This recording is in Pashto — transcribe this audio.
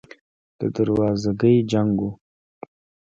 د دروازګۍ جنګ و.